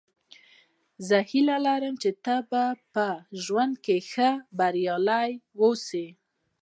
زه هیله لرم، چي تل په ژوند کښي بریالی اوسم.